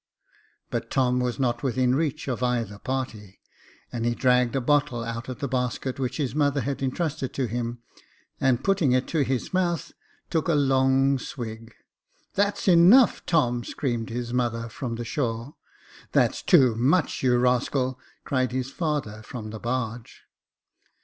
But Tom was not within reach of either party ; and he dragged a bottle out of the basket which his mother had entrusted to him, and putting it to his mouth, took a long swig. " That's enough, Tom !" screamed his mother, from the shore. "That's too much, you rascal! " cried his father, from the barge.